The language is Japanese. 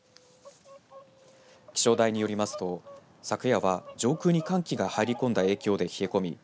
気象台によりますと昨夜は上空に寒気が入り込んだ影響で冷え込み